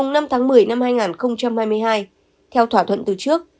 ngày năm tháng một mươi năm hai nghìn hai mươi hai theo thỏa thuận từ trước